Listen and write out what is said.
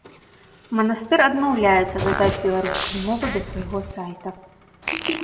Манастыр адмаўляецца дадаць беларускую мову да свайго сайта.